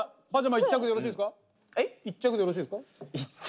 １着でよろしいですね。